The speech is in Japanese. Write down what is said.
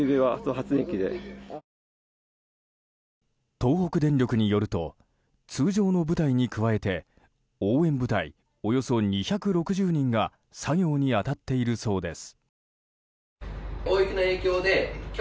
東北電力によると通常の部隊に加えて応援部隊およそ２６０人が作業に当たっているそうです。